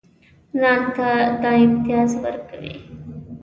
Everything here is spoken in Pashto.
ځان ته دا امتیاز ورکوي.